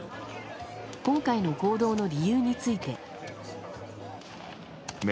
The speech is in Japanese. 今回の行動の理由について。